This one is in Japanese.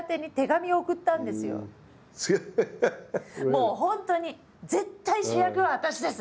もう本当に絶対主役は私です！